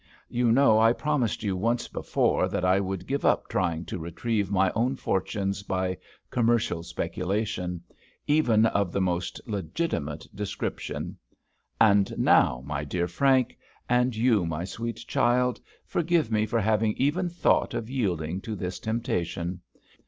You know I promised you once before that I would give up trying to retrieve my own fortunes by commercial speculation, even of the most legitimate description; and now, my dear Frank, and you, my sweet child, forgive me for having even thought of yielding to this temptation.